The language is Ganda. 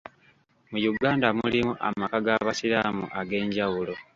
Mu Uganda mulimu amaka g'abasiraamu ag'enjawulo.